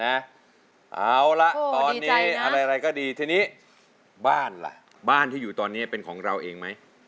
เอาละตอนนี้อะไรก็ดีทีนี้บ้านล่ะบ้านที่อยู่ตอนนี้เป็นของเราเองไหม